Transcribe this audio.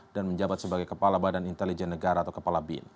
dan menjabat sebagai kepala badan intelijen negara atau kepala bin